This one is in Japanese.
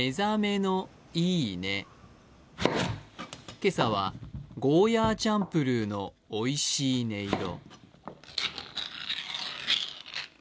今朝はゴーヤーチャンプルーのおいしい音色。